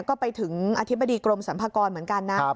ก็ไปถึงอธิบดีกรมสรรพากรเหมือนกันนะ